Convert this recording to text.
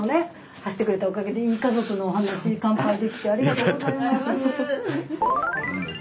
走ってくれたおかげでいい家族のお話乾杯できてありがとうございます。